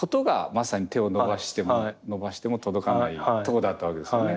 まさに手を伸ばしても伸ばしても届かないとこだったわけですよね。